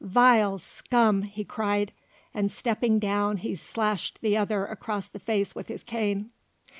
"Vile scum!" he cried, and stepping down he slashed the other across the face with his cane.